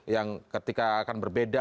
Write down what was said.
yang ketika akan berbeda